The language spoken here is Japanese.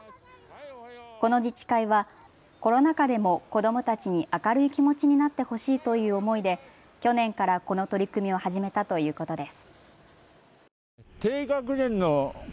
この自治会はコロナ禍でも子どもたちに明るい気持ちになってほしいという思いで去年からこの取り組みを始めたということです。